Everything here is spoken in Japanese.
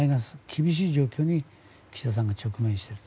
厳しい状況に岸田さんは直面している。